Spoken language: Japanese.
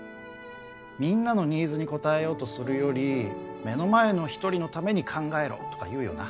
みんなのニーズに応えようとするより目の前の一人のために考えろとか言うよな。